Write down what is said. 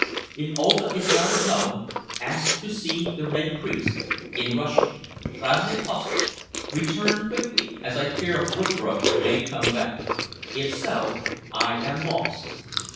"If Olga is not at home, ask to see the Red Priest in Russian, 'Krasny pastor.' Return quickly, as I fear Woodroffe may come back. If so, I am lost."